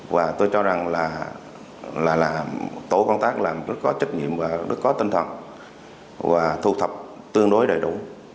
và tôi cho rằng là tổ công tác làm rất có trách nhiệm và rất có tinh thần và thu thập tương đối đầy đủ